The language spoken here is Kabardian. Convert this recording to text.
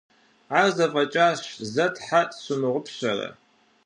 Ар зэфӏэкӏащ, зэ тхьэ сщымыгъупщэрэ?